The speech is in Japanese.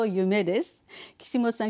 岸本さん